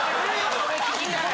それ聞きたい。